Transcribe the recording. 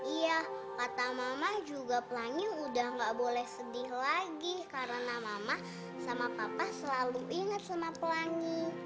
iya kata mama juga pelangi udah gak boleh sedih lagi karena mama sama papa selalu ingat sama pelangi